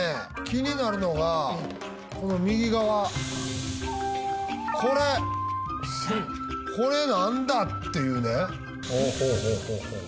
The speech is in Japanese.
気になるのがこの右側これこれなんだ？っていうねほうほうほう